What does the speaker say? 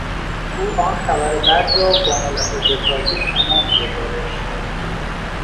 او آن خبر بد را با ملاحظه کاری تمام گزارش داد.